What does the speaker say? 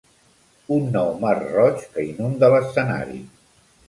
Un nou mar Roig que inunda l'escenari.